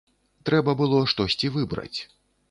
Трэба было штосьці выбраць.